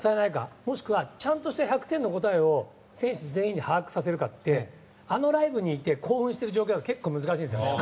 もしくはちゃんとした１００点の答えを選手全員に把握させるかってあのライブにいて興奮している状態では難しいんです。